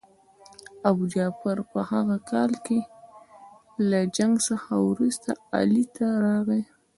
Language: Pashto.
ابوجعفر په هغه کال له جنګ څخه وروسته علي ته راغی.